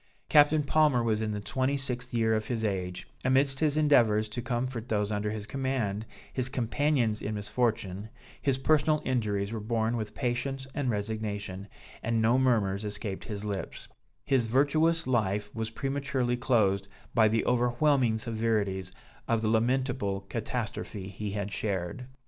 Captain Palmer was in the 26th year of his age; amidst his endeavors to comfort those under his command, his companions in misfortune, his personal injuries were borne with patience and resignation, and no murmurs escaped his lips; his virtuous life was prematurely closed by the overwhelming severities of the lamentable catastrophe he had shared.